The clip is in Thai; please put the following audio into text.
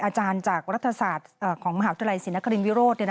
อาจารย์จากรัฐศาสตร์ของมหาวิทยาลัยศรีนครินวิโรธ